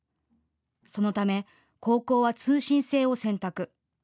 そのため高校は通信制を選択。